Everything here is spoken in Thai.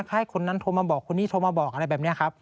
ให้คนนั้นโทรมาบอกคนนี้โทรมาบอกอะไรแบบนี้ครับ